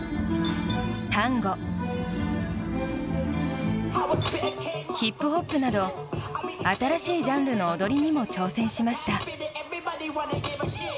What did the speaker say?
タンゴ、ヒップホップなど新しいジャンルの踊りにも挑戦しました。